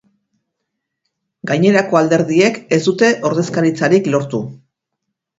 Gainerako alderdiek ez dute ordezkaritzarik lortu.